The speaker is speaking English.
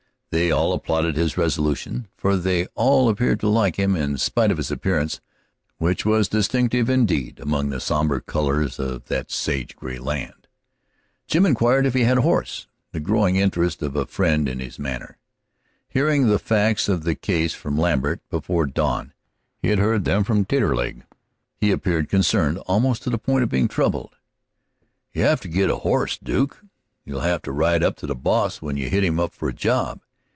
They all applauded his resolution, for they all appeared to like him in spite of his appearance, which was distinctive, indeed, among the somber colors of that sage gray land. Jim inquired if he had a horse, the growing interest of a friend in his manner. Hearing the facts of the case from Lambert before dawn he had heard them from Taterleg he appeared concerned almost to the point of being troubled. "You'll have to git you a horse, Duke; you'll have to ride up to the boss when you hit him for a job.